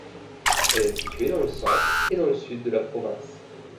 Elle est située dans le centre et dans le sud de la province.